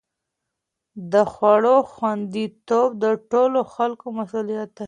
د خوړو خوندي توب د ټولو خلکو مسؤلیت دی.